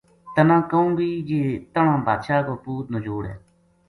تنا کہوں گی جی تہنا بادشاہ کو پوت نجوڑو ہے